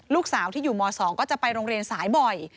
ลูกสาวที่อยู่ม๒ก็จะไปโรงเรียนสายบ่อย